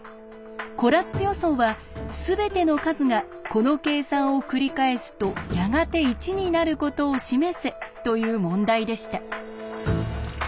コラッツ予想はすべての数がこの計算をくりかえすとやがて１になることを示せという問題でした。